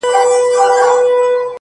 • په ګونګه ژبه نظمونه لیکم ,